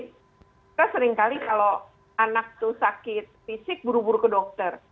kita sering kali kalau anak tuh sakit fisik buru buru ke dokter